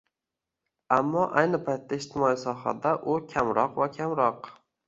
Ammo ayni paytda ijtimoiy sohada u kamroq va kamroq